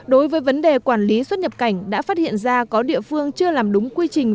đối với vấn đề quản lý xuất nhập cảnh đã phát hiện ra có địa phương chưa làm đúng quy trình